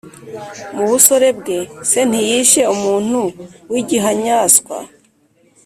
Mu busore bwe se ntiyishe umuntu w’igihanyaswa,